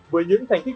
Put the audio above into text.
với những thành tích